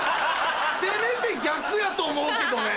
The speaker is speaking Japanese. せめて逆やと思うけどね。